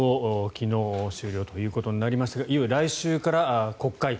昨日、終了ということになりましたがいよいよ来週から国会。